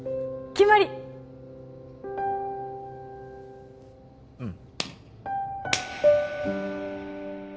決まりっうん